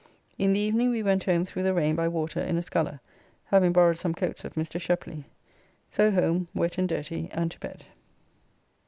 In the evening we went home through the rain by water in a sculler, having borrowed some coats of Mr. Sheply. So home, wet and dirty, and to bed.